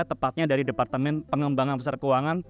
tepatnya dari departemen pengembangan besar keuangan